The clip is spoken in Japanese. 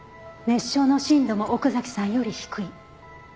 熱傷の深度も奥崎さんより低い。